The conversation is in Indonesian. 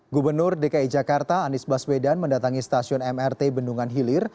gubernur dki jakarta anies baswedan mendatangi stasiun mrt bendungan hilir